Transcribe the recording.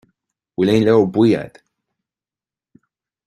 An bhfuil aon leabhar buí agat